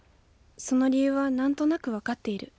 その理由は何となく分かっている。